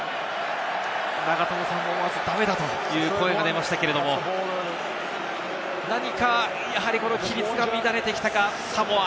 永友さんも思わず駄目だという声が出ましたが、何か規律が乱れてきたか、サモア。